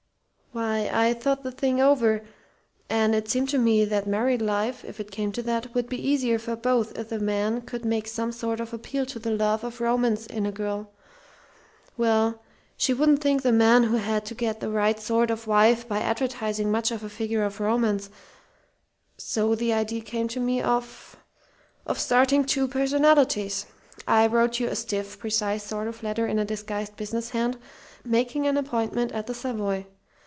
"Why, I thought the thing over, and it seemed to me that married life if it came to that would be easier for both if the man could make some sort of appeal to the love of romance in a girl. Well, she wouldn't think the man who had to get the right sort of wife by advertising much of a figure of romance. So the idea came to me of of starting two personalities. I wrote you a stiff, precise sort of letter in a disguised business hand, making an appointment at the Savoy.